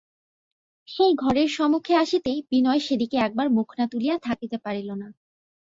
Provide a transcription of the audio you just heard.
সেই ঘরের সম্মুখে আসিতেই বিনয় সে দিকে একবার মুখ না তুলিয়া থাকিতে পারিল না।